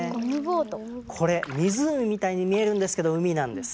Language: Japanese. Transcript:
これ湖みたいに見えるんですけど海なんです。